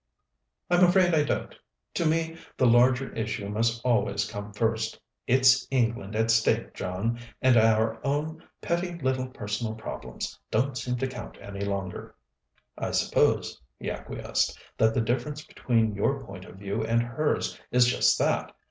"I'm afraid I don't. To me, the larger issue must always come first. It's England at stake, John, and our own petty little personal problems don't seem to count any longer." "I suppose," he acquiesced, "that the difference between your point of view and hers is just that.